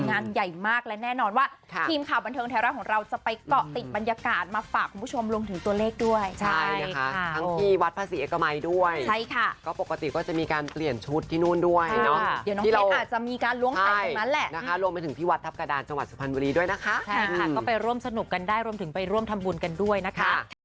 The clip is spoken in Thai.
อย่างใหญ่มากและแน่นอนว่าครั้งทีมขาวบันเทิร์นแทรร่าของเราจะไปเกาะติดบรรยากาศมาฝากคุณผู้ชมลงถึงตัวเลขด้วยใช้หยุดกันด้วยนะคะ